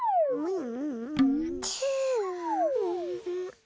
うん？